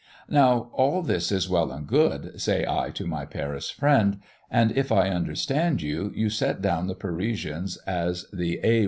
"Now all this is well and good," say I to my Paris friend; "and if I understand you, you set down the Parisians as the A 1.